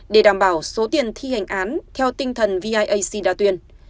để đảm bảo số tiền thi hành án theo tinh thần viac đa tuyên